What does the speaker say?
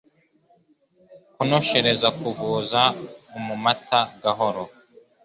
Kunoshereza Kuvuza umamata, gahoro